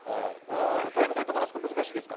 田中さん、あそこ難しいですか？